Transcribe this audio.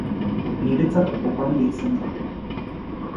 Niretzat oparia izan da.